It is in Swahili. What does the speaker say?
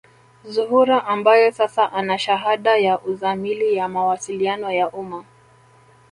Zuhura ambaye sasa ana shahada ya uzamili ya mawasiliano ya umma